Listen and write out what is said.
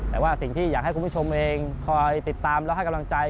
แต่ว่าสิ่งที่อยากให้คุณผู้ชมเองคอยติดตามและให้กำลังใจ